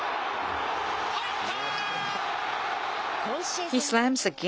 入った。